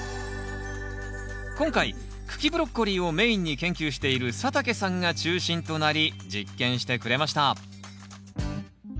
今回茎ブロッコリーをメインに研究している佐竹さんが中心となり実験してくれました